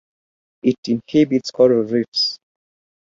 It inhabits coral reefs.